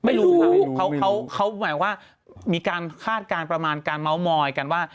ไม่รู้ค่ะเขาหมายว่ามีการคาดการณ์ประมาณการเมาส์มอยกันว่า